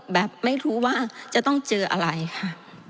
ไม่รู้ว่าจะต้องเจออะไรค่ะ